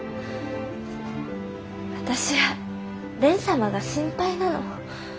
私は蓮様が心配なの。